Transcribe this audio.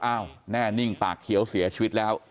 แน่นิ่งปากเขียวเสียชีวิตแล้ว